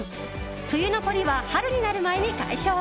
冬の凝りは春になる前に解消。